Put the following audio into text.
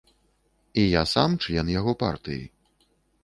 І я сам член яго партыі.